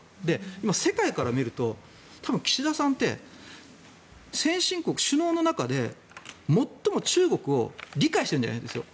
今、世界から見ると多分、岸田さんって先進国、首脳の中で最も中国を理解しているんじゃないですよ